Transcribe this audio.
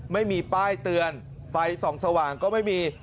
ไม่มีป้ายเตือนไฟส่องสว่างก็ไม่มี